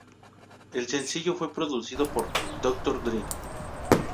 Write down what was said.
El sencillo fue producido por Dr. Dre.